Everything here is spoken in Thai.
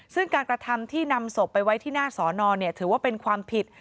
ซึ่งการกระทำที่นำศพไปไว้ที่หน้าสอนอถือว่าเป็นความผิด